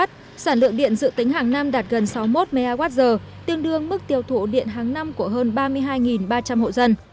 sản lượng điện dự tính hàng năm đạt gần sáu mươi một mw tương đương mức tiêu thụ điện hàng năm của hơn ba mươi hai ba trăm linh hộ dân